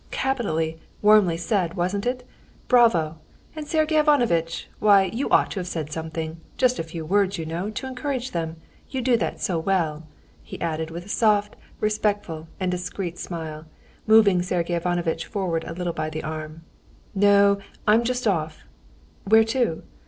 "Capitally, warmly said, wasn't it? Bravo! And Sergey Ivanovitch! Why, you ought to have said something—just a few words, you know, to encourage them; you do that so well," he added with a soft, respectful, and discreet smile, moving Sergey Ivanovitch forward a little by the arm. "No, I'm just off." "Where to?"